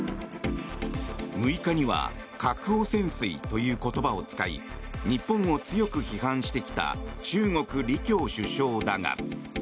６日には核汚染水という言葉を使い日本を強く批判してきた中国、李強首相だが。